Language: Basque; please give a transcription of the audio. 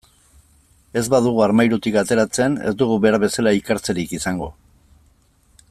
Ez badugu armairutik ateratzen, ez dugu behar bezala ikertzerik izango.